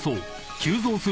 ［急増する］